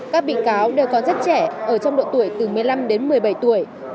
các bị cáo đều có rất trẻ ở trong độ tuổi từ một mươi năm đến một mươi bảy tuổi